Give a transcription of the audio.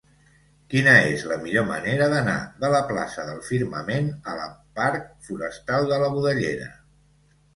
Quina és la millor manera d'anar de la plaça del Firmament a la parc Forestal de la Budellera?